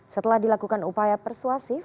setelah dilakukan upaya persuasif